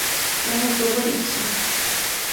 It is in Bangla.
তাহার প্রবল ইচ্ছা!